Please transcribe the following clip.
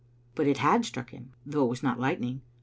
But it had struck him, though it was not lightning.